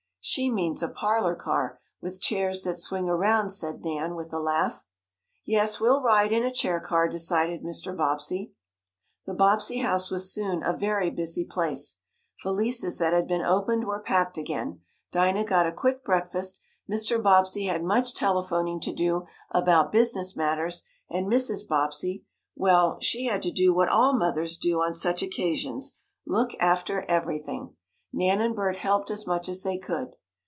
"She means a parlor car, with chairs that swing around," said Nan, with a laugh. "Yes, we'll ride in a chair car," decided Mr. Bobbsey. The Bobbsey house was soon a very busy place. Valises that had been opened were packed again. Dinah got a quick breakfast. Mr. Bobbsey had much telephoning to do about business matters, and Mrs. Bobbsey well, she had to do what all mothers do on such occasions look after everything. Nan and Bert helped as much as they could.